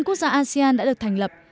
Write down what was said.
quốc gia asean đã được thành lập